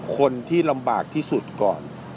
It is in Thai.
คนที่ลำบากที่สุดก่อน